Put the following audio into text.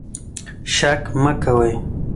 شک مه کوئ.